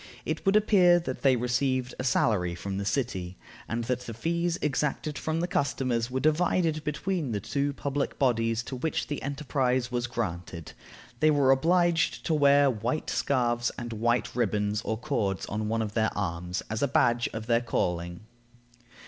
It would appear that they received a salary from the city, and that the fees exacted from the customers were divided between the two public bodies to which the enterprise was granted. They were obliged to wear white scarfs and white ribbons or cords on one of their arms, as a badge of their calling.